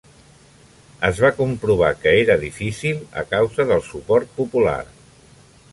Es va comprovar que era difícil a causa del suport popular.